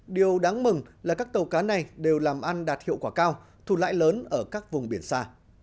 điều đáng mừng là các tàu cá này đều làm ăn đạt hiệu quả cao thu lại lớn ở các vùng biển xa